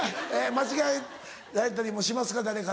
間違えられたりもしますか？